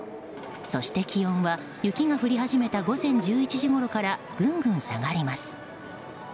そして気温は雪が降り始めた午前１１時ごろからぐんぐん下がります。